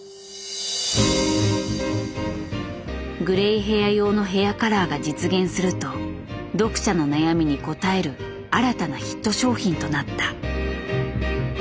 グレイヘア用のヘアカラーが実現すると読者の悩みに応える新たなヒット商品となった。